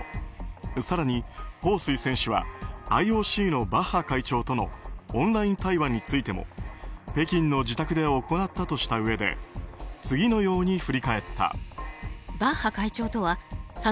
更に、ホウ・スイ選手はＩＯＣのバッハ会長とのオンライン対話についても北京の自宅で行ったとしたうえで次のように振り返った。